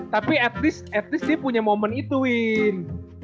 tapi at least dia punya moment itu win